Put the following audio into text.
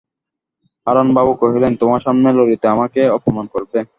হারানবাবু কহিলেন, তোমার সামনে ললিতা আমাকে অপমান করবে!